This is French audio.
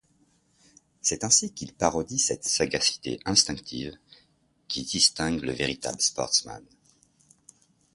C’est ainsi qu’il parodie cette sagacité instinctive qui distingue le véritable sportsman.